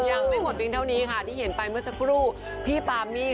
ยังไม่หมดเพียงเท่านี้ค่ะที่เห็นไปเมื่อสักครู่พี่ปามี่